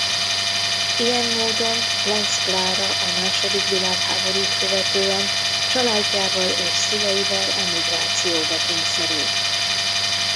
Ilyen módon Lenz Klára a második világháborút követően családjával és szüleivel emigrációba kényszerült.